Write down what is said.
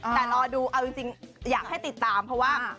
แต่รอดูเอาจริงอยากให้ติดตามเพราะว่า